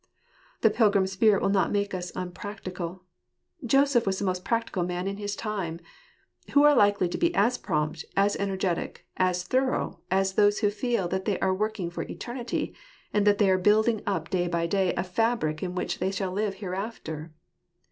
The pilgrim spirit will not make us unpractical. Joseph was the most practical man in his time. Who are likely to be as prompt, as energetic, as thorough, as those who feel that they are working for eternity, and that they are building up day by day a fabric in which they shall live hereafter